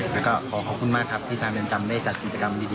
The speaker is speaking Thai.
แล้วก็ขอขอบคุณมากครับที่ทางเรือนจำได้จัดกิจกรรมดี